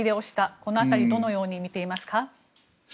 この辺りどのように見ていますか？